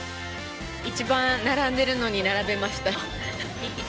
一番並んでるのに並べました。